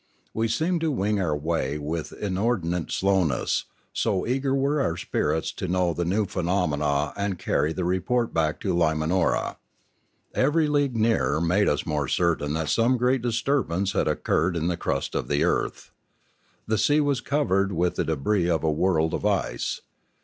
We seemed to wing our way with inor dinate slowness, so eager were our spirits to know the new phenomena and to carry the report back to Lima nora. Every league nearer made us more certain that some great disturbance had occurred in the crust of the earth. The sea was covered with the debris of a world of ice.